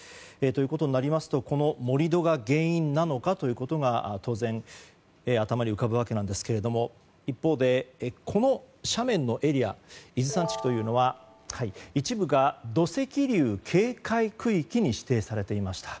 となるとこの盛り土が原因なのかということが当然、頭に浮かぶわけなんですが一方でこの斜面のエリア伊豆山地区というのは一部が土石流警戒区域に指定されていました。